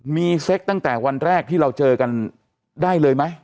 มีเซ็กตั้งแต่วันแรกที่เราเจอกันได้เลยไหม